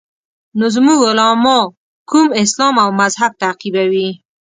نو زموږ علما کوم اسلام او مذهب تعقیبوي.